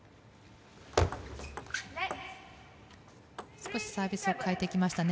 少しサービスを変えてきましたね。